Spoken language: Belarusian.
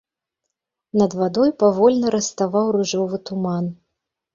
Над вадой павольна раставаў ружовы туман.